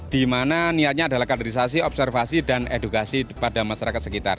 di mana niatnya adalah kaderisasi observasi dan edukasi pada masyarakat sekitar